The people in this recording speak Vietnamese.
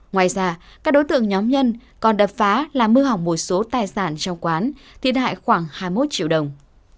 ngoài ra các đối tượng nhóm nhân còn đập phá làm hư hỏng một số tài sản trong quán thiệt hại khoảng hai mươi một triệu đồng